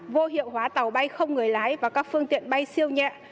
vô hiệu hóa tàu bay không người lái và các phương tiện bay siêu nhẹ